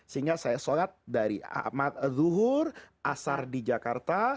sehingga saya sholat dari amat duhur asar di jakarta